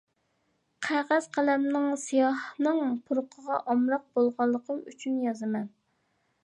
قەغەز-قەلەمنىڭ، سىياھنىڭ پۇرىقىغا ئامراق بولغانلىقىم ئۈچۈن يازىمەن.